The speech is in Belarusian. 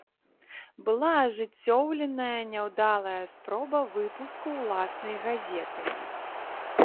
Была ажыццёўленая няўдалая спроба выпуску ўласнай газеты.